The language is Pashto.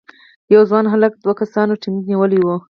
یو ځوان هلک دوه کسانو ټینک نیولی و.